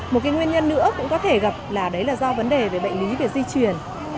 một nguyên nhân nữa cũng có thể gặp là do vấn đề về bệnh lý về di truyền